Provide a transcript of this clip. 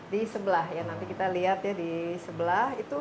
di sebelah ya nanti kita lihat ya di sebelah